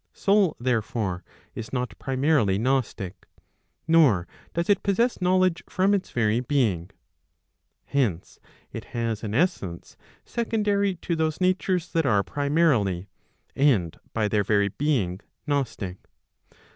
Soul therefore, is not primarily gnostic, nor does it possess knowledge from its very being. Hence/ it has an essence secon¬ dary to those natures that are primarily, and by their very being, gnostic.